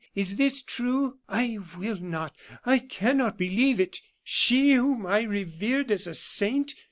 Is this true? I will not I cannot believe it! She, whom I revered as a saint!